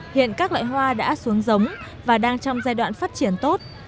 hiện các loại hoa đã xuống giống và đang trong giai đoạn phát triển tốt